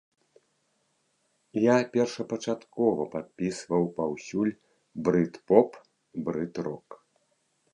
Я першапачаткова падпісваў паўсюль брыт-поп, брыт-рок.